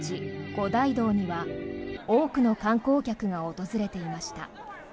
五大道には多くの観光客が訪れていました。